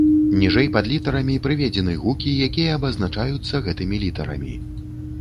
Ніжэй пад літарамі прыведзены гукі, якія абазначаюцца гэтымі літарамі.